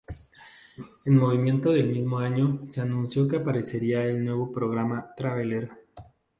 En noviembre del mismo año se anunció que aparecería en el nuevo programa "Traveler".